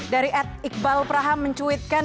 dari ad iqbal praham men tweetkan